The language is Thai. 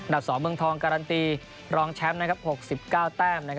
๒เมืองทองการันตีรองแชมป์๖๙แต้ม